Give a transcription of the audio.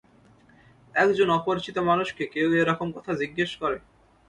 একজন অপরিচিত মানুষকে কেউ এ রকম কথা জিজ্ঞে করে?